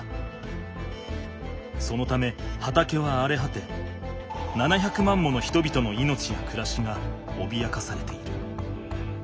そのため畑はあれはて７００万もの人々の命やくらしがおびやかされている。